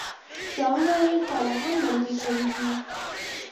ځانونه یې صالحان معرفي کړي دي.